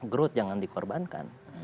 growth jangan dikorbankan